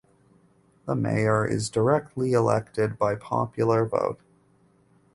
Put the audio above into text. The mayor is directly elected by popular vote.